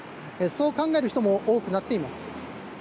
そう考える人も多くなっています。